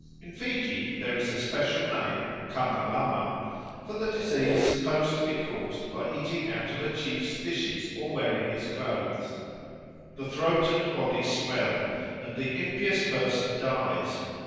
In Fiji there is a special name (kana lama) for the disease supposed to be caused by eating out of a chief's dishes or wearing his clothes. "The throat and body swell, and the impious person dies.